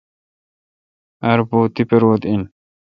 آر پُو تی پاروت این۔